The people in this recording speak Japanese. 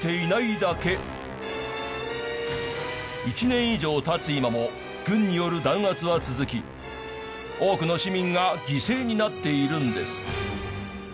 １年以上経つ今も軍による弾圧は続き多くの市民が犠牲になっているんです。